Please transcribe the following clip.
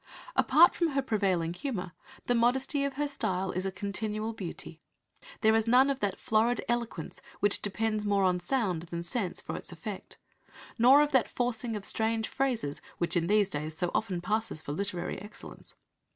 Apart from her prevailing humour, the modesty of her style is a continual beauty. There is none of that florid eloquence which depends more on sound than sense for its effect, nor of that forcing of strange phrases which in these days so often passes for literary excellence.